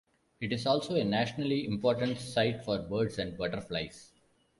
It is also a nationally important site for birds and butterflies.